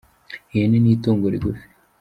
ihene ni itungo rigufi